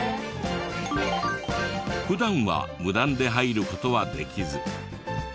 普段は無断で入る事はできず。